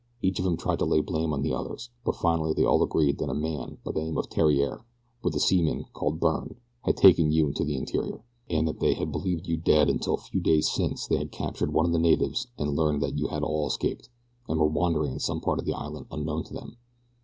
Each of 'em tried to lay the blame on the others, but finally they all agreed that a man by the name of Theriere with a seaman called Byrne, had taken you into the interior, and that they had believed you dead until a few days since they had captured one of the natives and learned that you had all escaped, and were wandering in some part of the island unknown to them.